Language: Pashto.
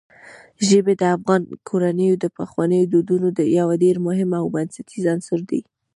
ژبې د افغان کورنیو د پخوانیو دودونو یو ډېر مهم او بنسټیز عنصر دی.